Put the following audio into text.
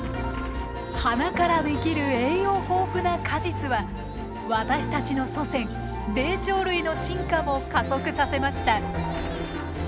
花から出来る栄養豊富な果実は私たちの祖先霊長類の進化も加速させました。